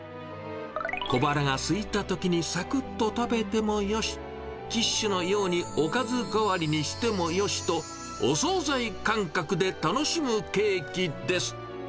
小腹がすいたときにさくっと食べてもよし、キッシュのようにおかず代わりにしてもよしと、お総菜感覚で楽しむケーキです。